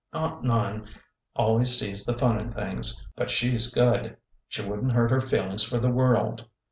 Aunt Nan always sees the fun in things, but she 's good. She would n't hurt her feelings for the world.